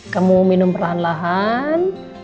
kamu minum perlahan lahan